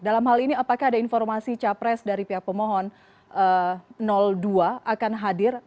dalam hal ini apakah ada informasi capres dari pihak pemohon dua akan hadir